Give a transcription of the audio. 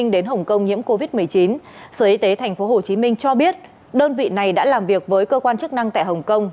đến hồng kông nhiễm covid một mươi chín sở y tế tp hcm cho biết đơn vị này đã làm việc với cơ quan chức năng tại hồng kông